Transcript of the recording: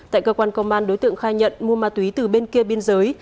tại cơ quan công an đối tượng khai nhận mua ma túy từ bên kia biên giới